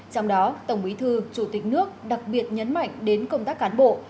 trong đó tổng bí thư chủ tịch nước đặc biệt nhấn mạnh đến công tác cán bộ